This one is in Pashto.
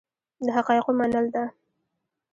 د حقایقو منل ده.